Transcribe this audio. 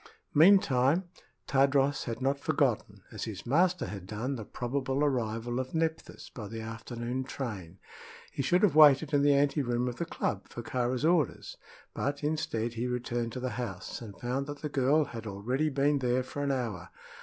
Meantime Tadros had not forgotten, as his master had done, the probable arrival of Nephthys by the afternoon train. He should have waited in the ante room of the club for Kāra's orders; but instead he returned to the house and found that the girl had already been there for an hour.